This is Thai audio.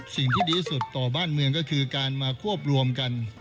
สิ่งที่ดีที่สุดต่อบ้านเมืองก็คือการมาควบรวมกัน